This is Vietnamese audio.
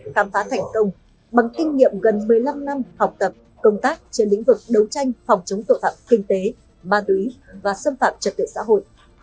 khám phá thành công bằng kinh nghiệm gần một mươi năm năm học tập công tác trên lĩnh vực đấu tranh phòng chống tội phạm kinh tế ma túy và xâm phạm trật tự xã hội